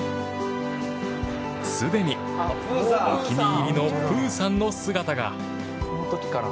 すでに、お気に入りのプーさんの姿が。